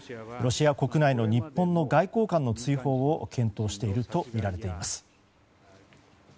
ロシア国内の日本の外交官の追放を検討しているとみられています。